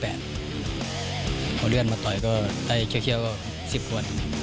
พอเลื่อนมาต่อยก็ได้เคี้ยวก็๑๐ขวด